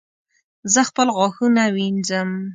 زه خپل غاښونه وینځم